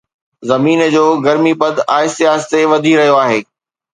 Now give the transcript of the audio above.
زمين جو گرمي پد آهستي آهستي وڌي رهيو آهي